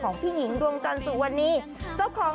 ลองจนลืมเคาะบับเป็นเลย